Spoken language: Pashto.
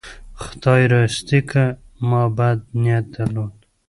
خدای راستي که ما بد نیت درلود.